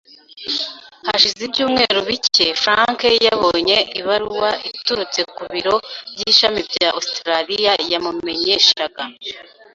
Hashize ibyumweru bike Frank yabonye ibaruwa iturutse ku biro by ishami bya Ositaraliya yamumenyeshaga